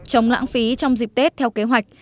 chống lãng phí trong dịp tết theo kế hoạch